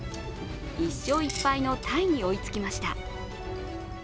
１勝１敗のタイに追いつきました。